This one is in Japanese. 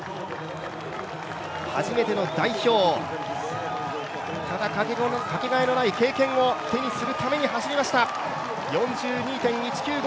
初めての代表、ただかけがえのない経験をするために走りました４２．１９５